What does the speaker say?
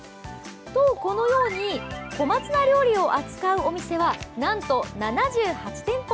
このように小松菜料理を扱うお店はなんと７８店舗。